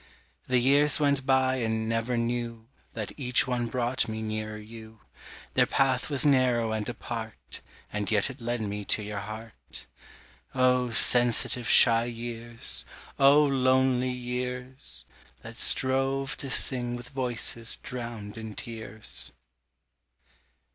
The years went by and never knew That each one brought me nearer you; Their path was narrow and apart And yet it led me to your heart Oh sensitive shy years, oh lonely years, That strove to sing with voices drowned in tears.